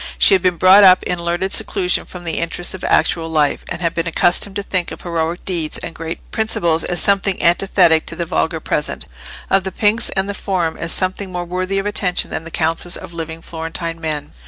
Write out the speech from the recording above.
She had been brought up in learned seclusion from the interests of actual life, and had been accustomed to think of heroic deeds and great principles as something antithetic to the vulgar present, of the Pnyx and the Forum as something more worthy of attention than the councils of living Florentine men.